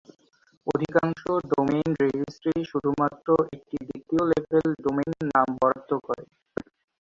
অধিকাংশ domain registry শুধুমাত্র একটি দ্বিতীয়-লেভেল ডোমেইন নাম বরাদ্দ করে।